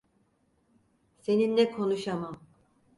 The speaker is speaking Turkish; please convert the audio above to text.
Seninle konuşamam.